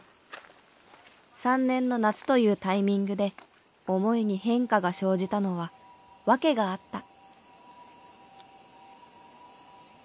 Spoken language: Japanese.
３年の夏というタイミングで思いに変化が生じたのは訳があった。